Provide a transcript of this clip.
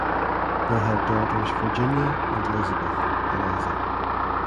They had daughters Virginia and Elizabeth (Eliza).